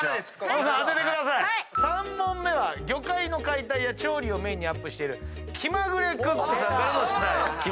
３問目は魚介の解体や調理をメインにアップしている『きまぐれクック』さんからの出題。